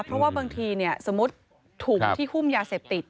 เพราะว่าบางทีสมมุติถุงที่หุ้มยาเสพติด